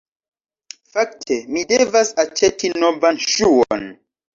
Fakte, mi devas aĉeti novan ŝuon